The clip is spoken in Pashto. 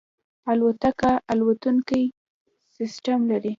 الوتکه الکترونیکي سیستم لري.